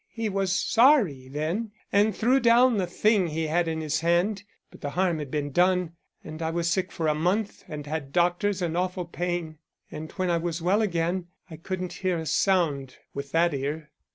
He was sorry then and threw down the thing he had in his hand; but the harm had been done and I was sick a month and had doctors and awful pain, and when I was well again I couldn't hear a sound with that ear.